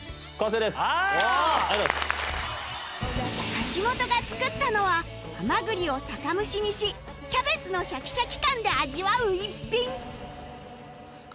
橋本が作ったのはハマグリを酒蒸しにしキャベツのシャキシャキ感で味わう一品